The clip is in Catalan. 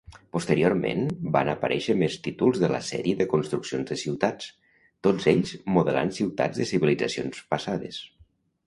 Posteriorment van aparèixer més títols de la "Sèrie de construccions de ciutats", tots ells modelant ciutats de civilitzacions passades.